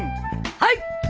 はい！